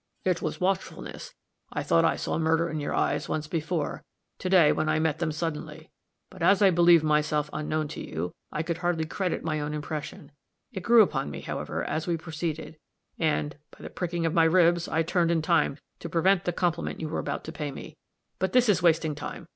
"It was watchfulness. I thought I saw murder in your eyes once before, to day, when I met them suddenly; but as I believed myself unknown to you, I could hardly credit my own impression. It grew upon me, however, as we proceeded, and 'by the pricking of my ribs,' I turned in time to prevent the compliment you were about to pay me. But this is wasting time.